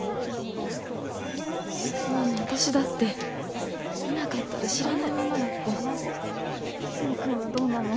そんなの私だって見なかったら知らないままだった和泉君はどうなの？